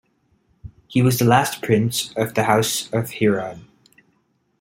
He was the last prince of the house of Herod.